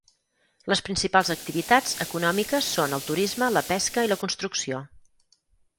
Les principals activitats econòmiques són el turisme, la pesca i la construcció.